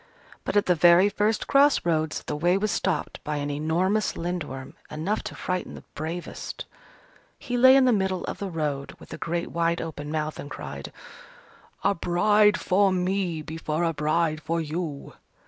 But at the very first cross roads, the way was stopped by an enormous Lindworm, enough to frighten the bravest. He lay in the middle of the road with a great wide open mouth, and cried, "A bride for me before a bride for you!"